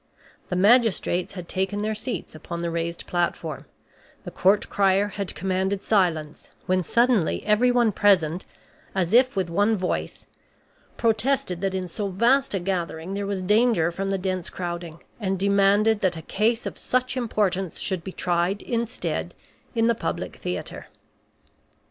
The magistrates had taken their seats upon the raised platform, the court crier had commanded silence, when suddenly everyone present, as if with one voice, protested that in so vast a gathering there was danger from the dense crowding, and demanded that a case of such importance should be tried instead in the public theater.